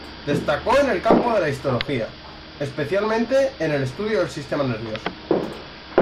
Destacó en el campo de la Histología, especialmente en el estudio del sistema nervioso.